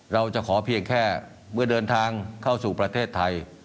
เราจะขอเพียงแค่เมื่อเดินทางเข้าสู่ประเทศไทย